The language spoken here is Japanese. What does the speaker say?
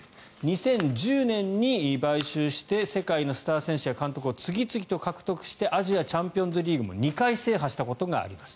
２０１０年に買収して世界のスター選手や監督を次々と獲得してアジアチャンピオンズリーグ２回制覇したことがあります。